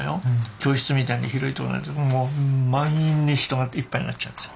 教室みたいに広いとこなんですけどもう満員に人がいっぱいになっちゃうんですよ。